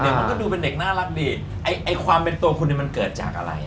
มันก็ดูเป็นเด็กน่ารักดีไอ้ความเป็นตัวคุณเนี่ยมันเกิดจากอะไร